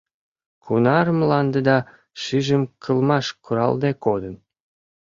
— Кунар мландыда шыжым кылмаш куралде кодын?